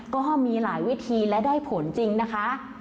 ก็มีหลายวิธีและได้ผลจริงนะคะ